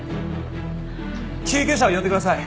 救急車を呼んでください。